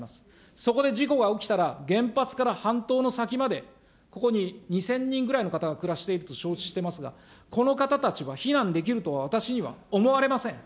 そこで事故が起きたら、原発から半島の先まで、ここに２０００人ぐらいの方が暮らしていると承知してますが、この方たちは避難できるとは、私には思われません。